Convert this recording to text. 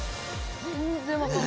全然分かんない。